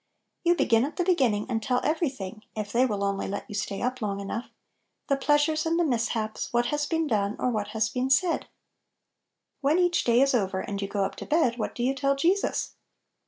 You begin at the beginning, and tell every thing (if they will only let you stay up long enough), — the pleasures and the mishaps, what has been done, or what has been said. Little Pillows. 53 When each day is over, and you go up to bed, what do you tell Jes j.s?